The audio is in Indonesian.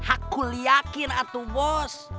aku yakin atuh bos